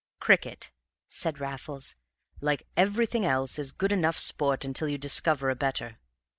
"Cricket," said Raffles, "like everything else, is good enough sport until you discover a better.